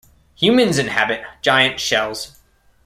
Humans inhabit giant shells.